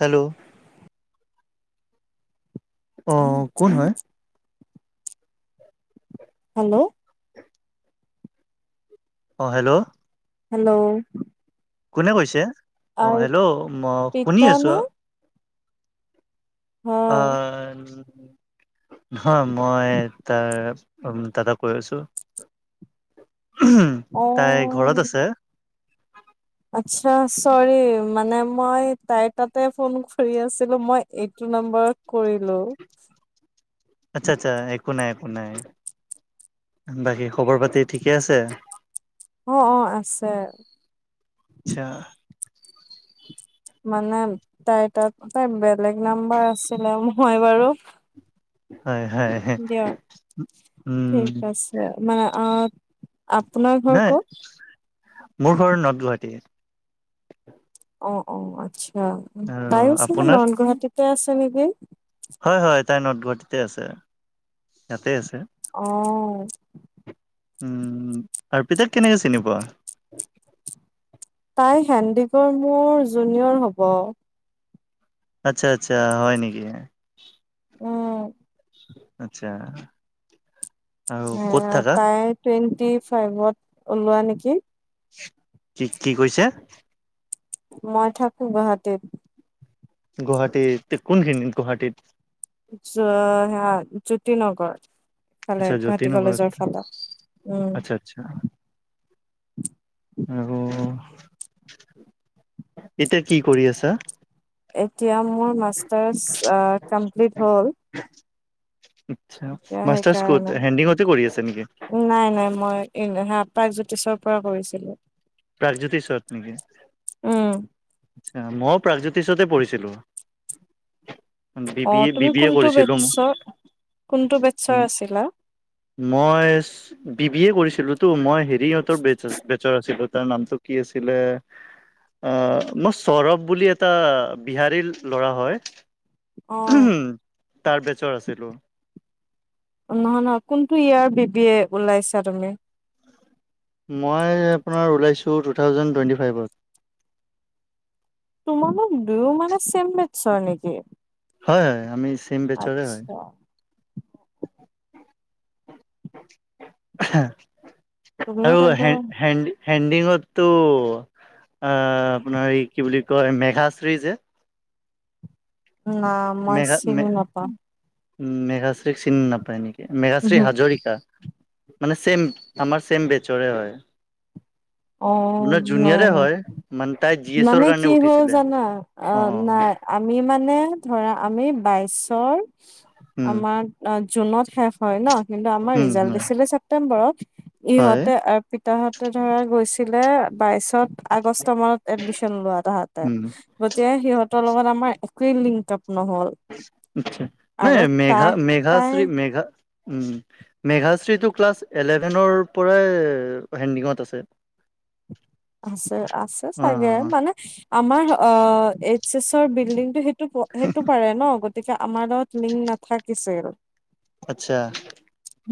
Hello অ কোন হয় হেল্ল অঁ হেল্ল হেল্লৌ কোনে কৈছে অ হেল্ল ম শুনি আৰ্পিতা আছো হ অ নহয় মই তাৰ উম দাদা কৈ আছো অ তাই ঘৰত আছে আচ্ছা চৰি মানে মই তাইৰ তাতে ফোন কৰি আছিলো মই এইটো নম্বৰত কৰিলো আচ্ছা আচ্ছা একো নাই একো নাই বাকী খবৰ পাতি ঠিকে আছে অ অ আছে আচ্ছা মানে তাই তাত তাই বেলেগ নাম্বাৰ আছিলে মই বাৰু হয় হয় দিয়ক উম ঠিক আছে মানে অত নে মোৰ ঘৰ নৰ্দ গুৱাহাটী অ অ আচ্ছা আৰু তাইয়ো চাগে আপোনাৰ নৰ্থ গুৱাহাটীতে আছে নিকি হয় হয় তাই নৰ্দ গুৱাহাটীতে আছে তাতে আছে অ উম আৰ্পিতাক কেনেকে চিনি পোৱা তাই হেণ্ডিগৈ মোৰ জুনিয়ৰ হব আচ্ছা আচ্ছা হয় নিকি অ আচ্ছা আৰু অ ক'ত থাকা তাই টুৱেণ্টি ফাইভত ওলোৱা নেকি কি কি কৈছা মই থাকো গহাটীত গুৱাহাটীত তে কোন খিনিত গুহাটীত চৌ হা জ্যোতি নগৰ ফালে আচ্ছা জ্যোতি গুৱাহাটী নগৰত কলেজৰ ফালে উম আচ্ছা আচ্ছা অ এতিয়া কি কৰি আছা এতিয়া মোৰ মাষ্টাৰছ কমপ্লিট হ'ল। এতিয়া মাষ্টাৰ সেইকাৰণে ক'ত হেণ্ডিং কতে কৰি আছে নেকি? নাই। নাই। মই [unintelligible] জ্যোতিষৰ পৰা কৰিছিলো। প্ৰাগজ্যোতি চৰত নেকি? উম', আচ্ছা', ময়ো প্ৰাগজ্যোতিষতে পঢ়িছিলো। B O B A B তুমি বি এ কোনটো কৰিছিলো। মু বেটছৰ কোনটো উ বেটছৰ আছিলা মই বি বি এ কৰিছিলোটো। মই হেৰি হঁতৰ বে বেচৰ আছিলো। তাৰ নামটো কি আছিলে? মই সৌৰভ বুলি এটা বিহাৰীৰ ল'ৰা হয়। অ উম', হম, তাৰ বেচৰ আছিলো। নহয়। নহয়। কোনটো ইয়াৰ বি বি এ ওলাইছা তুমি? মই আপোনাৰ ওলাইছোঁ। টু থাউজেণ্ড টুৱেণ্টি ফাইভত। তোমালোক দুয়ো মানে চেম মেটছৰ নেকি? হয়। আমি ছেম বেটছৰে হয়। আচ্ছা তুমিও আৰু হে তেন্তে হেনদি হেণ্ডিঙতো আ আপোনাৰ এই কি বুলি কয়? মেঘাশ্ৰী যে, নাম মেঘা মেঘশ্ৰ চিন নাপায় নিক মেঘাশ্ৰী হাজৰিকা মানে চম আমাৰ চম বেচৰে হয়। [inaudible] অ', আপোনাৰ নাই। জুনিয়ৰে নাই। হয় মানে তাই জি এছৰ মানে কাৰণে কি হ'ল উঠিছিলে জানা? অ', নাই। আমি মানে ধৰা আমি বাইশৰ উম আমাৰ জুনত শেষ হয়। ন কিন্তু আমাৰ উম ৰিজাল্ট হয় দিছিলে ছেপ্তেম্বৰত। হয় ইহঁতে আৰু পিতাহঁতে ধৰা ছিলে বাইশত আগষ্ট মানত এডমিশন লোৱা তাহাঁতে উম গতি সিহঁতৰ লগত আমাৰ একোৱেই লিংক আপ নহল। আ', নাই। আৰু মেঘা তাই তাই মেঘাশ্ৰী মেঘ উ', মেঘাশ্ৰীটো ক্লাছ এলেভেনৰ পৰাই হেডিঙত আছে। [unintelligible] আছে। আছে। অ চাগে অ মানে আমাৰ অ, এইচ এচৰ বিল্ডিং টো সেই সেইটো পাৰে ন। গতিকে আমাৰ লগত লিংক নাথাকিছিল। আচ্ছা',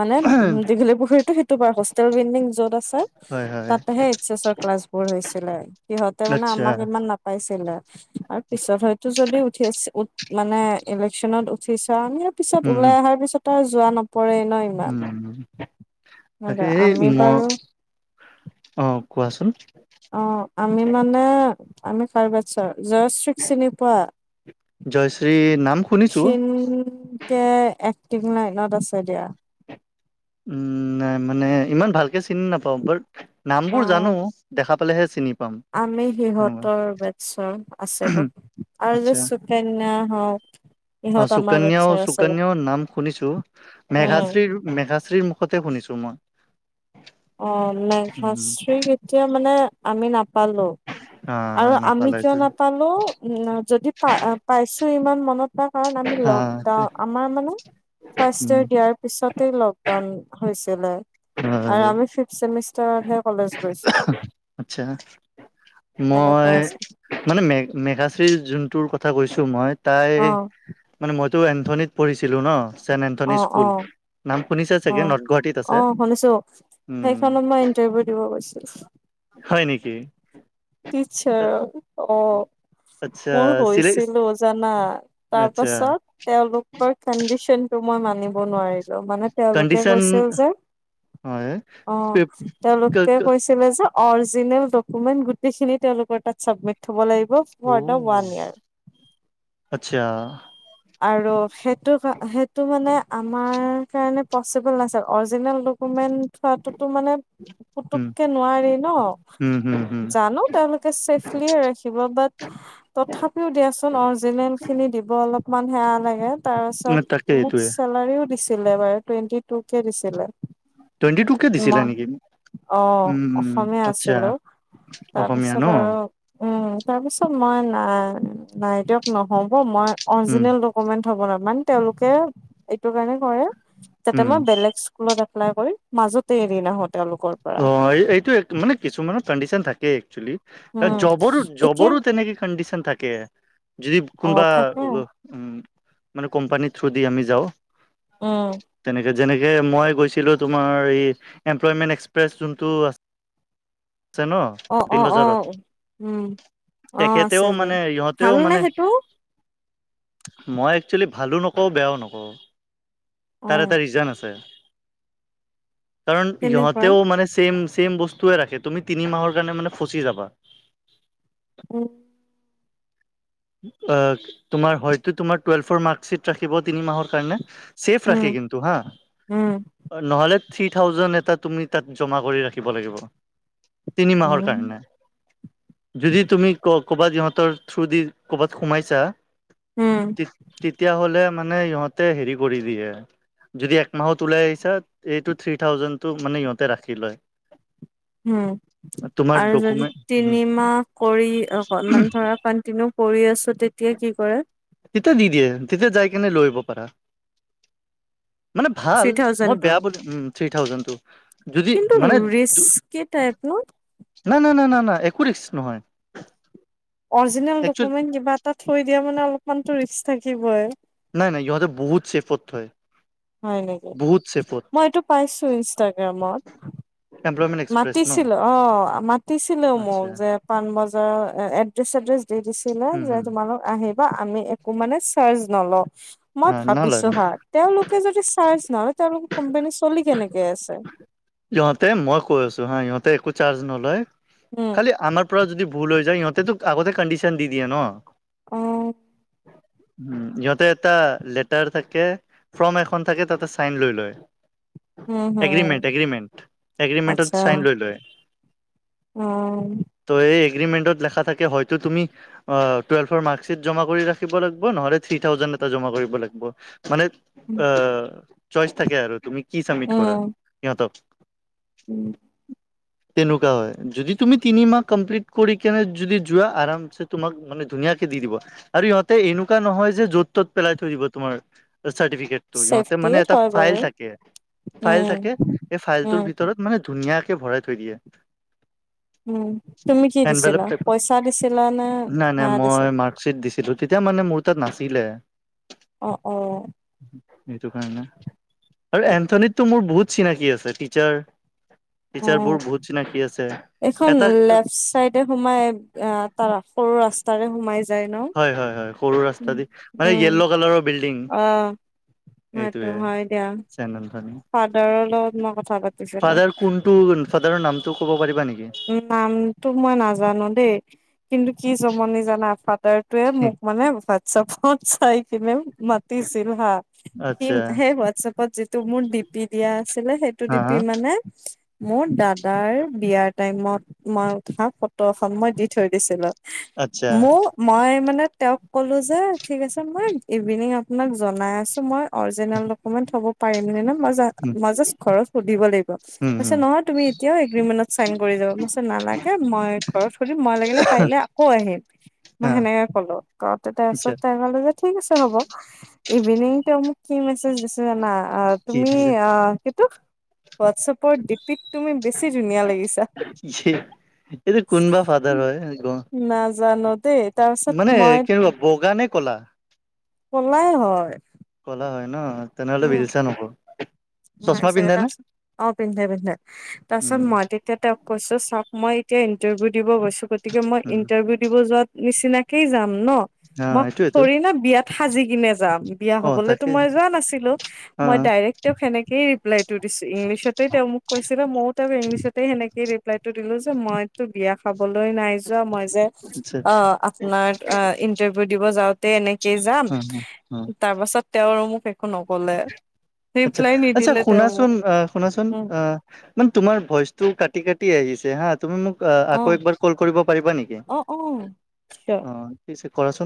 মানে উ, দীঘলী পুখুৰীতো সেইটো বাৰু হোষ্টেল বিল্ডিং য'ত আছে। হয় হয় তাতেহে এইচ এছৰ ক্লাছ বোৰ হৈছিলে। সিহঁতে মানে আচ্ছা আমাক ইমান নাপাইছিলে। আৰু পিছত হয়তো যদি উঠি আছে। উত মানে ইলেকশ্যনত উঠিছা পিছত উম ওলাই অহাৰ পিছত আৰু যোৱা নপৰে ন ইমান উম', তাকে এই আমি ম বাৰু অ, কোৱাচোন অ', আমি মানে আমি কাৰ বেৰটৰ জাজ চিনি পোৱা জয়শ্ৰী নাম শুনিছো খিন মিন কে এক্টিং লাইনত আছে দিয়া। উম', নাই, মানে ইমান ভালকে চিনি নাপাওঁ। বাট নামবোৰ জানো। অ', দেখা পালেহে চিনি পাম। আমি তেনেকুৱা সিহঁতৰ বেটছৰ আছিলো আৰু আচ্ছা যে কেন্না হক অ', সুকন্যও সুকন্যও নাম শুনিছো। উম মেঘাশ্ৰীৰ মেঘাশ্ৰীৰৰ মুখতে শুনিছো মই। অ উম মেঘাশ্ৰীক এতিয়া মানে আমি নাপ পালো অ আৰু আমি কিয় নাপালেতো নাপালো উ যদি পা-পাইছো ইমান মনত ৰ কাৰণ আমি অ লকডাউন আমাৰ মানে ফাৰ্ষ্ট উম ইয়াৰ দিয়াৰ পিছতে লকডাউন হৈছিলে আৰু হয় আমি ফিব ছেম [unintelligible] হে কলেজ গৈছো। আচ্ছা এনেকা মই আছে। মানে মে-মেঘাশ্ৰীৰ যোনটোৰ কথা কৈছো মই তাই অ মানে মইতো এন্থনীত পঢ়িছিলোঁ ন। চেণ্ট এন্থনী অ স্কুল অ নাম শুনিছে অ চাগে নৰ্থ গুৱাহাটীত অ আছে। শুনিছো সেইখনত [unintelligible] দিব গৈছিল। হয় নেকি? টিচাৰ অ। আচ্ছা মোৰ চিলে হৈছিলো জানা তাৰ আচ্ছা পাছত তেওঁলোকৰ কণ্ডিশন টো মই মানিব নোৱাৰি লো মানে তেওঁলোকে কণ্ডিশন কৈছিল যে হয় অ তেওঁলোকে কৈছিলে যে অৰজিনেল ডকমেন্ট গোটেইখিনি তেওঁ লোকৰ তাত চাবমিট থব লাগিব। For the um one year আচ্ছা। আৰু সেইটো সেইটো মানে আমাৰ কাৰণে পচিবল নাছিল। অৰিজিনেল ডকুমেণ্ট থোৱাটোতো মানে উম পুতুককে নোৱাৰি ন, উম হম হম জানো তেওঁলোকে চেফলিয়ে ৰাখিব বাট তথাপিও দিয়াচোন অৰিজিনেল খিনি দিব অলপ অকমান সেৱ লাগে তাৰ তাকে পিছত মোক এইটোয়ে চেলাৰিও দিছে ছিলে বাৰু টুৱেটি টু কে দিছিলে। টুৱেণ্টি টু কে দিছিলে মই নেকি? অ উম অসমীয়া আচ্ছা আছিলো, অসমীয়া তাৰপিছত ন আৰু উম তাৰপিছত মই নাই নাই দিয়ক নহ'ব মই উম অৰিজিনেল ডকুমেন্ট থব নাপাৰিম। তেওঁলোকে এইটো কাৰণে কৰে যাতে উম মই বেলেগে স্কুলত এপলাই কৰি মাজতে এৰি নাহ অ এই এইটো মানে কিছুমানৰ কণ্ডিচন থাকে একচুৱেলি। উম জবৰো এতিয়া জবৰো তেনেকে কণ্ডিশন থাকে যদি অ কোনোবা থাকে উ মানে কোম্পানী থ্ৰু দি আমি যাওঁ। উম। তেনেকে যেনেকে মই গৈছিলো তোমাৰ এই এমপ্লয়মেণ্ট এক্স প্ৰেছ যোনটো আ আছে ন। দিন অ-অ-অ বজাৰত উম। অ তেখেতেও আছে যে মানে ইহঁতেও ভালনে মানে সেইটো? মই একচুৱেলি ভালো নকওঁ বেয়াও নকওঁ। তাৰ এটা অ', ৰিজন আছে। কাৰণ ইহঁত তেনেকুৱা মানে চছেম চছেম বস্তুয়ে ৰাখে। তুমি তিনি মাহৰ কাৰণে মানে ফচি যাবা। [inaudible] অ তোমাৰ হয়তো তোমাৰ টুৱেলভৰ মাৰ্কশ্বিট ৰাখিব তিনি মাহৰ কাৰণে চেফ উম, ৰাখে কিন্তু হা। উম, নহ'লে থ্ৰী থাউজেণ্ড এটা তুমি তাত জমা কৰি ৰাখিব লাগিব। তিনি মাহৰ উম, কাৰণে, যদি তুমি ক ক'বাত সিহঁতৰ থ্ৰু দি কৰ'বাত সোমাইছা, উম, তেতিয়াহ'লে মানে ইহঁতে, হেৰি কৰি দিয়ে। যদি একমাহত ওলাই আহিছা, এইটো থ্ৰী থাউজেণ্ড টো মানে ইিহঁতে ৰাখি লয়। উম, তোমাৰ আৰু যদি ডকুমেণ্ট উম, তিনিমাহ কৰি অকমান ধৰক কণ্টিনিউ কৰি আছো, তেতিয়া কি কৰে? তেতিয়া দি দিয়ে, তেতিয়া যাই কিনে লৈ আহিব পাৰা। মানে ভাল, থ্ৰী মই থাউজেণ্ডটো বেয়া বুলি উম, থ্ৰী থাউজেণ্ডটো, যদি মানে ৰিক্স, কেই টাইপ নো? ন, ন, ন, ন, ন, একো ৰিক্স নহয়। অৰজিনেল একচুৱেল ডকুমেণ্ট কিবা এটা থৈ দিয়া, মানে অলপমানটো ৰিক্স থাকিবই। নাই, নাই ইহঁতে বহুত চেফত থয়। হয় নেকি? বহুত ছেফত মই এইটো পাইছো ইনষ্টাগ্ৰামত। এমপ্লয়মেণ্ট এক্সপ্ৰেছ ন মাতিছিলো অ, মাতিছিলো মোক আচ্ছা যে, পাণবজাৰ এ এড্ৰেছ, চেড্ৰেছ দি দিছিলে, উম যে হুম তোমালোক আহিল বা আমি একো মানে চাৰ্জ নলওঁ, মই হা নলয় ভাবিছো হা তেওঁলোকে যদি চাৰ্জ নলয়, তেওঁলোকৰ কোম্পানী চলি কেনেকে আছে? ইহঁতে মই কৈ আছো হা, ইহঁতে একো চাৰ্জ নলয়, উম খালি আমাৰ যদি ভুল হৈ যায়, সিহঁতেতো আগতে কণ্ডিচন দি দিয়ে ন, অ উম, সিহঁতে এটা লেটাৰ থাকে, ফৰ্ম এখন থাকে, তাতে চাইন লৈ লয়। উম, হম, এগ্ৰীমেণ্ট, এগ্ৰীমেণ্টট, আচ্ছা চাইন লৈ লয়। উম, ত, এই এগ্ৰিমেণ্টত, লেখা থাকে হয়তো তুমি টুয়েলভৰ ৰ্মাকছিট জমা কৰি ৰাখিব লাগিব, নহ'লে থ্ৰী থাউজেণ্ড এটা জমা কৰিব লাগিব। মানে অহ, চইচ থাকে আৰু তুমি কি চাবমিট কৰা সহ'তক। উম, তেনেকুৱা হয়, যদি তুমি তিনিমাহ কমপ্লিট কৰি কেনে যদি যোৱা আৰামচে তোমাক মানে ধুনীয়াকে দি দিব, আৰু ইিহঁতে এনেকুৱা নহয় যে য'ত-ত'ত পেলাই থৈ দিব তোমাৰ চাৰ্টিফিকেট টো, সহঁতে মানে চেফটিয়ে এটা হয় ফাইল বাৰু থাকে, ফাইল উম থাকে। এই, ফাইলটোৰ উম ভিতৰত মানে ধুনীয়াকে ভৰাই থৈ দিয়ে। উম, তুমি কি দিছিলা, এনভেলপ টাইপত পইচা দিছিলা নে, হেয়া দিছা? ছিত দিছিলো, তেতিয়া মানে মোৰ তাত নাছিলে। অ, অ, সেইটো কাৰণে, আৰু এন্থনিতটো মোৰ বহুত ত, চিনাকি আছে টিচাৰ, টিচাৰ অ বোৰ বহুত চিনাকি আছে। এটা তে, সোমাই আহ, তাৰ সৰু ৰাস্তাৰে সোমাই যায় ন? হয়, হয়, হয়, সৰু ৰাস্তা দি মানে, উম য়েল্ল' কালাৰৰ বিল্ডিং। অ সেইটো এইটোয়ে হয় দিয়া, চেন এন্থনী ফাদাৰৰ লগত মই কথা পাতিছিলো। ফাদাৰ কোনটো, ফাদাৰৰ নামটো ক'ব পাৰিবা নেকি? নামটো মই নাজানো দেই, কিন্তু কি জমনি জানা, ফাত অডাৰটোয়ে মোক মানে, হোৱাটছপত চাই কিনে মাতিছিল হা। সি আচ্ছা সেই, হোৱাটছপত যিটো মোৰ ডিপি দিয়া আছিলে, সেইটো হা হা ডিপি মানে মোৰ দাদাৰ, বিয়াৰ টাইমত মই, উঠা ফ টো, খন মই দি থৈ দিছিলো। আচ্ছা মোক মই মানে তেওঁক ক'লো যে, ঠিক আছে মই ইভিনিং আপোনাক জনাই আছো মই অৰিজিনেল দকমেন্ত থব পাৰিম নে [unintelligible] উম মই জাষ্ট ঘৰত সুধিব লাগিব, উম কৈছে উম নহয় তুমি এতিয়াও এগ্ৰিমেণ্ট চাইন কৰি যাব। নালাগে মই ঘৰত সুধিম মই লাগিলে কাইলে আকৌ আহিম। মই হা সেনেকে ক'লো, [unintelligible] তাতে আচ্ছা আছে [unintelligible] ঠিক আছে হ'ব, ইভিনিং তেওঁ মোক কি মেছেজ দিছে জানা? আহ কি তুমি দিছে আ কিটো হোৱাটছএপৰ ডিপিত তুমি বেছি ধুনীয়া লাগিছে। [unintelligible] এইটো কোনবা ফাদাৰ হয়, গ নাজানো দেই তাৰপিছত মানে মই [unintelligible] বগা নে ক'লা? ক'লাই হয়। ক'লা হয় ন, তেনেহ'লে বিজু চাৰ [unintelligible] মই চাগে তাচ, অ পিন্ধে পিন্ধে, তাৰ পিছত উম মৌত্ৰিক তেতিয়া কৈছো চাওক মই এতিয়া ইণ্টাৰভিউ দিব গৈছো গ গতিকে মই উম ইন্টাৰভিউ দিব যোৱাত নিচিনাকেই যাম ন অ মই এইটোয়েতো থৰি না বিয়াত সাজি কিনে যাম, বিয়া অ হ'বলেতো তাকে মই যোৱা নাছিলো, অ মই ডাইৰেক্ট তেওঁক সেনেকেইে ৰিপ্লাইটো দিছে ইংলিছতেই তেওঁ মোক কৈছিলে মইও তেওঁক ইংলিছতেই সেনেকেই ৰিপ ৰিপ্লাইটো দিলো যে মইতো বিয়া খাবলৈ নাই যোৱা মই যে আচ্ছা আচ্ছা অ নাৰক আ ইন্টাৰভিউ দিব যাওঁতে এনেকে যাম, অ অ অ তাৰ পাছত তেওঁ আৰু মোক একো নকলে। আচ্ছা ৰিপ্লাই আচ্ছা নিদিলে তেওঁ মোক শুনাচোন আহ শুনাচোন উম। আহ মান তোমাৰ ভইচটো কাটি কাটি আহিছে হা। তুমি মোক অ', আকৌ একবাৰ কল কৰিব পাৰিবা নেকি, অ', নিশ্চয়। অ ঠিক আছে কৰা চোন।